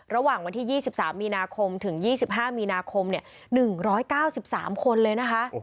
ระหว่างวันที่๒๓มีนาคมถึง๒๕มีนาคม๑๙๓คนเลยนะคะ